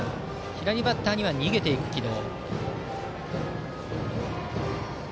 左バッターには逃げていく軌道。